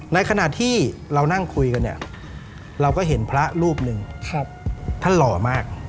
ในขณะที่เรานั่งคุยกันเนี่ยเราก็เห็นพระรูปหนึ่งท่านหล่อมาก